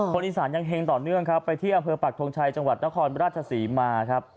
คนอีสานยังเฮงต่อเนื่องครับไปที่อำเภอปักทงชัยจังหวัดนครราชศรีมาครับ